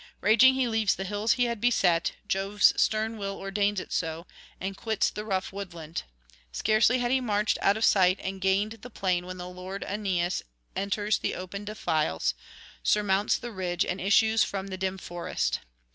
Raging he leaves the hills he had beset Jove's stern will ordains it [902 915]so and quits the rough woodland. Scarcely had he marched out of sight and gained the plain when lord Aeneas enters the open defiles, surmounts the ridge, and issues from the dim forest.